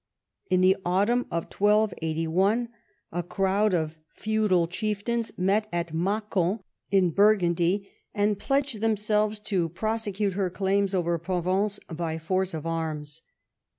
In the autumn of 1281 a crowd of feudal chieftains met at Macon in Burgundy, and pledged themselves to prosecute her claims over Provence by force of arms.